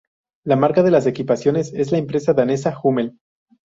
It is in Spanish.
La marca de las equipaciones es la empresa danesa Hummel.